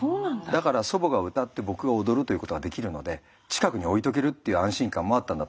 だから祖母がうたって僕が踊るということができるので近くに置いとけるっていう安心感もあったんだと思うんです。